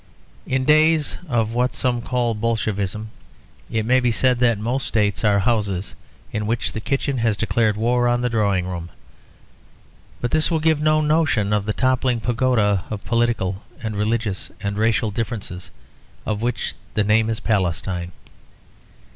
In days of what some call Bolshevism, it may be said that most states are houses in which the kitchen has declared war on the drawing room. But this will give no notion of the toppling pagoda of political and religious and racial differences, of which the name is Palestine.